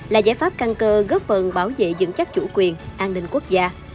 là giải pháp căn cơ góp phần bảo vệ dựng chắc chủ quyền an ninh quốc gia